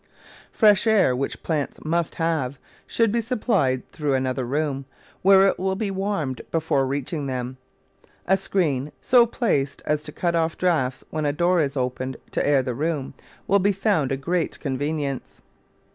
Fresh air, which plants must have, should be sup plied through another room, where it will be warmed before reaching them. A screen, so placed as to cut off draughts when a door is opened to air the room, will be found a great convenience.